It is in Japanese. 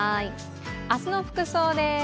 明日の服装です。